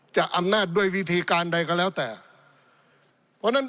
จะอำนาจด้วยวิธีการใดก็แล้วแต่เพราะฉะนั้น